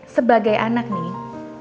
sebagai anak nih